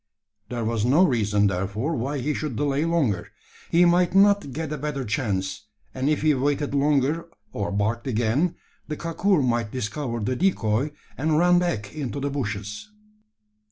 There was no reason, therefore, why he should delay longer. He might not get a better chance; and if he waited longer, or barked again, the kakur might discover the decoy, and run back into the bushes.